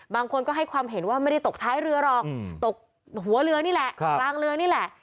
บางคนก็ให้ความเห็นว่าไม่ได้ตกท้ายเรือหรอกตกหัวเรือนี่แหละกลางเรือนี่แหละ